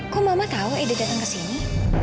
kok mama tahu ide datang ke sini